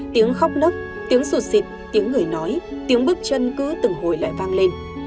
tiếng khóc nấc tiếng sụt xịt tiếng người nói tiếng bước chân cứ từng hồi lại vang lên